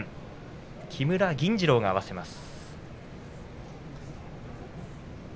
木村銀治郎が合わせます。